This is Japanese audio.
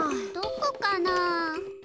どこかな。